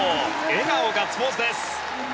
笑顔、ガッツポーズです。